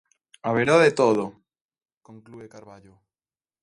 "Haberá de todo", conclúe Carballo.